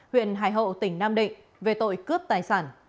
huyện hải hậu tỉnh nam định về tội cướp tài sản